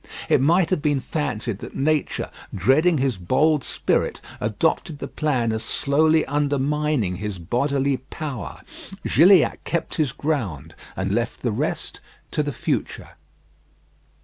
It might have been fancied that Nature, dreading his bold spirit, adopted the plan of slowly undermining his bodily power. Gilliatt kept his ground, and left the rest to the future.